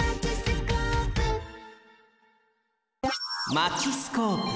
マチスコープ。